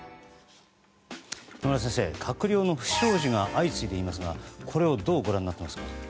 野村先生、閣僚の不祥事が相次いでいますがこれをどうご覧になってますか。